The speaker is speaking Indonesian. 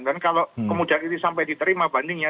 dan kalau kemudian ini sampai diterima bandingnya